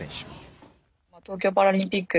東京パラリンピック